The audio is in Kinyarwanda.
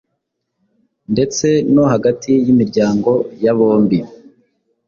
ndetse no hagati y'imiryango ya bombi.